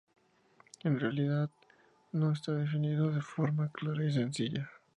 En realidad no está definido de forma clara y sencilla.